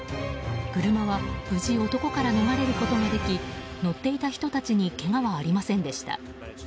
車は無事男から逃れることができ乗っていた人たちにけがはありませんでした。